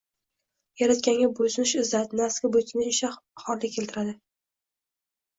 Yaratganga bo‘ysunish izzat, nafsga bo‘ysunish esa xorlik keltiradi.